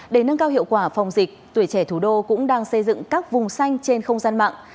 để nâng cao hiệu quả phòng dịch tuổi trẻ thủ đô cũng đang xây dựng các vùng xanh trên không gian mạng